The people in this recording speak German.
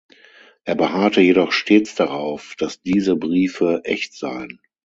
Er beharrte jedoch stets darauf, dass diese Briefe echt seien.